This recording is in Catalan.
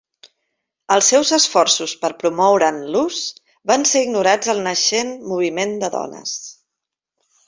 Els seus esforços per promoure'n l'ús van ser ignorats al naixent Moviment de Dones.